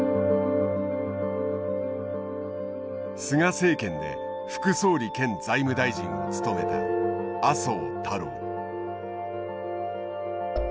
菅政権で副総理兼財務大臣を務めた麻生太郎。